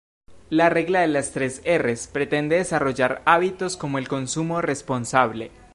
La Regla de las tres erres pretende desarrollar hábitos como el consumo responsable.